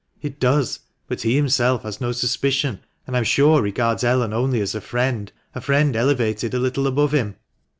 " It does ; but he himself has no suspicion, and I am sure regards Ellen only as a friend — a friend elevated a little above him."